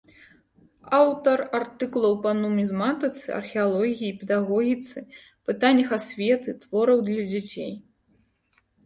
Аўтар артыкулаў па нумізматыцы, археалогіі, педагогіцы, пытаннях асветы, твораў для дзяцей.